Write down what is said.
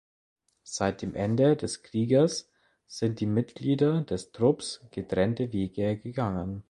Seit dem Ende des Krieges sind die Mitglieder des Trupps getrennte Wege gegangen.